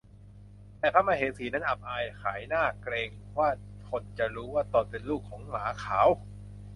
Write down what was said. แต่พระมเหสีนั้นอับอายขายหน้าเกรงว่าคนจะรู้ว่าตนเป็นลูกของหมาขาว